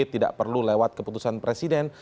tidak perlu lewat keputusan presiden